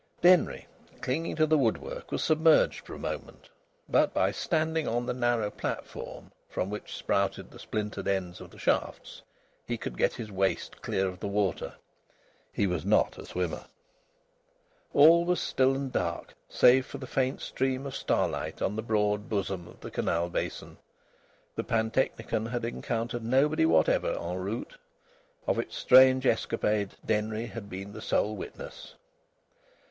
Denry, clinging to the woodwork, was submerged for a moment, but, by standing on the narrow platform from which sprouted the splintered ends of the shafts, he could get his waist clear of the water. He was not a swimmer. All was still and dark, save for the faint stream of starlight on the broad bosom of the canal basin. The pantechnicon had encountered nobody whatever en route. Of its strange escapade Denry had been the sole witness.